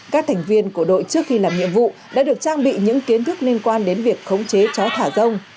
các thành viên của đội trước khi làm nhiệm vụ đã được trang bị những kiến thức liên quan đến việc khống chế chó thả rông